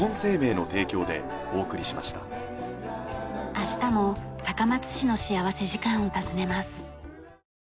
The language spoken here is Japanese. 明日も高松市の幸福時間を訪ねます。